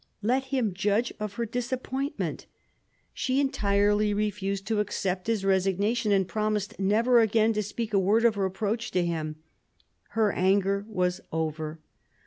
Let him judge of her disappointment. She entirely refused to accept 212 THE CO REGENTS chap, x his resignation, and promised never again to speak a word of reproach to him. Her anger was over.